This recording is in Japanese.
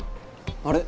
あれ？